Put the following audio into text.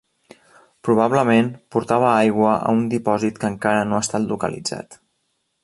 Probablement, portava aigua a un dipòsit que encara no ha estat localitzat.